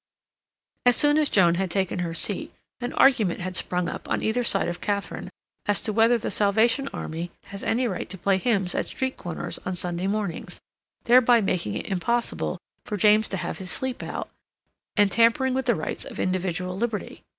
As soon as Joan had taken her seat, an argument had sprung up on either side of Katharine, as to whether the Salvation Army has any right to play hymns at street corners on Sunday mornings, thereby making it impossible for James to have his sleep out, and tampering with the rights of individual liberty.